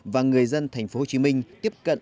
và người dân thành phố hồ chí minh tiếp cận